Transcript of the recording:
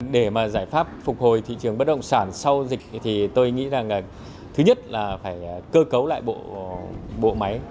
để mà giải pháp phục hồi thị trường bất động sản sau dịch thì tôi nghĩ rằng thứ nhất là phải cơ cấu lại bộ máy